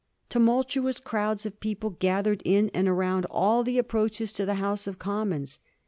Tumultuous crowds of people gathered in and around all the approaches to the House of Commons.